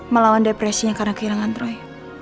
melawan depresinya karena kehilangan troy